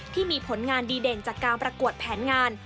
ที่มีผลงานดีเด่นจากการประกวดแผนงาน